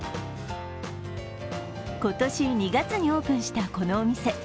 今年２月にオープンしたこのお店。